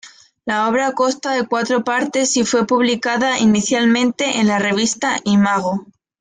La obra consta de cuatro partes y fue publicada inicialmente en la revista Imago.